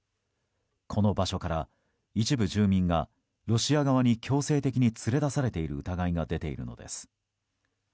この場所から一部住民がロシア側に強制的に連れ出されている疑いが出ているのです。